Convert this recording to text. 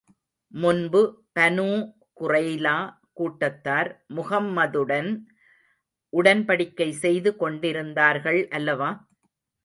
முன்பு பனூ குறைலா கூட்டத்தார், முஹம்மதுடன் உடன்படிக்கை செய்து கொண்டிருந்தார்கள் அல்லவா?